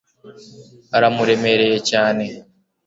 aramuremereye cyane